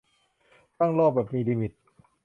ต้องโลภแบบมีลิมิต